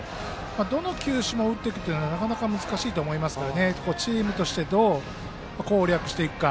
どの球種も打っていくのはなかなか難しいと思いますのでチームとしてどう攻略していくか。